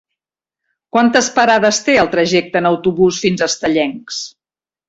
Quantes parades té el trajecte en autobús fins a Estellencs?